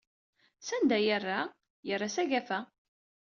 Sanda ay yerra? Yerra s agafa.